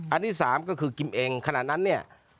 อันที่สามก็คือกิมเองขณะนั้นเนี่ย